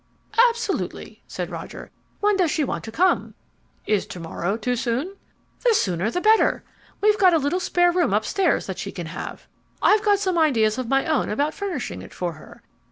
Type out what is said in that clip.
"Absolutely," said Roger. "When does she want to come?" "Is to morrow too soon?" "The sooner the better. We've got a little spare room upstairs that she can have. I've got some ideas of my own about furnishing it for her.